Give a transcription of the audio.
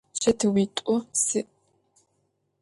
Чэтыуитӏу сиӏ.